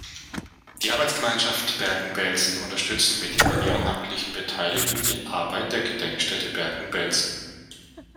Die Arbeitsgemeinschaft Bergen-Belsen unterstützt mit ihrer ehrenamtlichen Beteiligung die Arbeit der Gedenkstätte Bergen-Belsen.